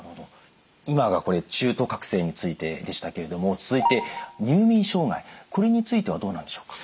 今が中途覚醒についてでしたけれども続いて入眠障害これについてはどうなんでしょうか。